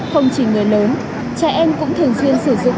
không chỉ người lớn trẻ em cũng thường xuyên sử dụng